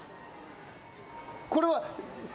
これは。